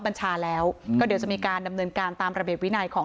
บัญชาแล้วก็เดี๋ยวจะมีการดำเนินการตามระเบียบวินัยของ